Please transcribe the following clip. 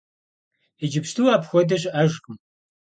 Иджыпсту апхуэдэ щыӀэжкъым.